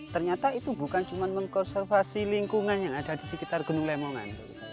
ternyata itu bukan cuma mengkonservasi lingkungan yang ada di sekitar gunung lemongan